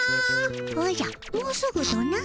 おじゃもうすぐとな？